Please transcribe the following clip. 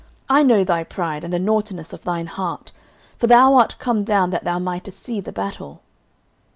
I know thy pride, and the naughtiness of thine heart; for thou art come down that thou mightest see the battle.